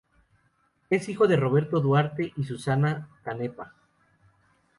Es hijo de Roberto Duarte y Susana Cánepa.